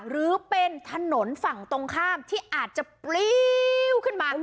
หรือเป็นถนนฝั่งตรงข้ามที่อาจจะปลิ้วขึ้นมา